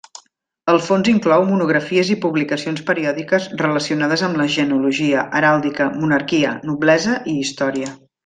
El fons inclou monografies i publicacions periòdiques relacionades amb genealogia, heràldica, monarquia, noblesa i història.